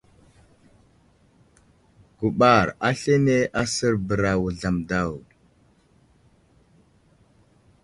Guɓar aslane asər bəra Wuzlam daw.